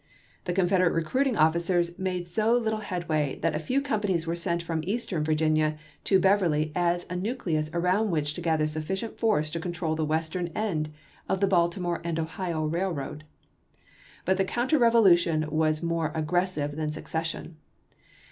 The Confederate recruiting officers made so little head way that a few companies were sent from Eastern Vii'ginia to Beverly as a nucleus around which to gather sufficient force to control the western end of the Baltimore and Ohio Railroad. But the counter revolution was more aggressive than secession.